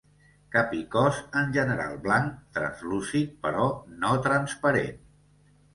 Cap i cos, en general, blanc, translúcid, però no transparent.